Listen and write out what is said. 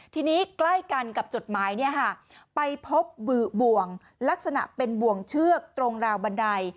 ทีนี้ใกล้กันกับจดหมายไปพบบ่วงลักษณะเป็นบ่วงเชือกตรงราวบันได